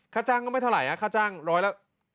ค่าจ้างก็ไม่เท่าไหร่ค่าจ้างร้อยละ